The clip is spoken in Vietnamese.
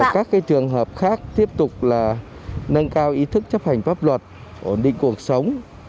các trường hợp khác tiếp tục là nâng cao ý thức chấp hành pháp luật ổn định cuộc sống